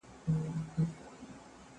زه سبا لپاره پلان جوړ کړی دی!!